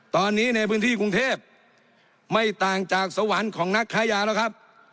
ตอนนี้ในพื้นที่กรุงเทพไม่ต่างจากสวรรค์ของนักค้ายาแล้วครับ